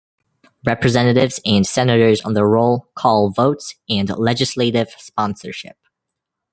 Representatives and Senators on their roll call votes and legislative sponsorship.